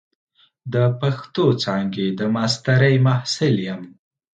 د پښتو څانګې د ماسترۍ محصل یم.